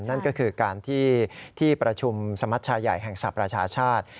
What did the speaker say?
นั่นก็คือการที่ประชุมสมัชชายใหญ่แห่งสหประชาชาติ